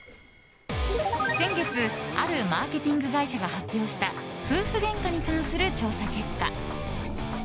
先月あるマーケティング会社が発表した夫婦げんかに関する調査結果。